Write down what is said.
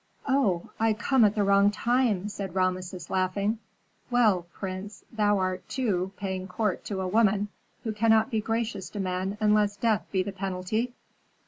"Oh, I come at the wrong time!" said Rameses, laughing. "Well, prince, art thou, too, paying court to a woman who cannot be gracious to men unless death be the penalty?"